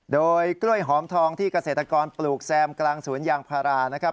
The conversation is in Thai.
โดยกล้วยหอมทองที่เกษตรกรปลูกแซมกลางสวนยางพารานะครับ